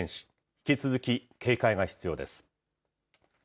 引き続き、警戒が必要です。